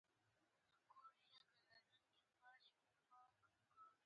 • شیدې د خوړو سره یوځای د انرژۍ ښه سرچینه برابروي.